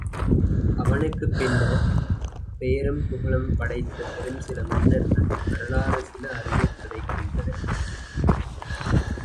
அவனுக்குப் பின்னர்ப் பெயரும் புகழும் படைத்த பெரு நில மன்னர்கள் வரலாறு சில அறியக் கிடைக்கின்றன.